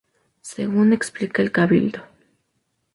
Según explica el Cabildo.